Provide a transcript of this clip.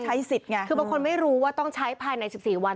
ใช่คือบางคนไม่รู้ว่าต้องใช้ภายใน๑๔วัน